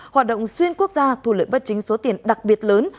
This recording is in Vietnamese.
hoạt động xuyên quốc gia thu lợi bất chính số tiền đặc biệt lớn